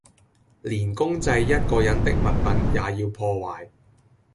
連公祭一個人的物品也要破壞